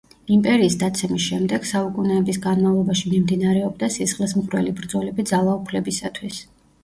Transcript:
იმპერიის დაცემის შემდეგ, საუკუნეების განმავლობაში მიმდინარეობდა სისხლისმღვრელი ბრძოლები ძალაუფლებისათვის.